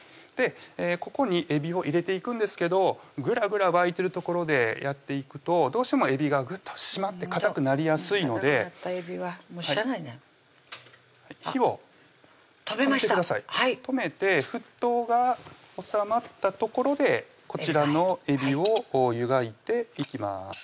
ここにえびを入れていくんですけどグラグラ沸いてるところでやっていくとどうしてもえびがぐっと締まってかたくなりやすいのでかたくなったえびはしゃあないね火を止めました止めて沸騰が収まったところでこちらのえびを湯がいていきます